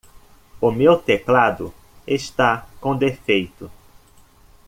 O meu teclado está com defeito.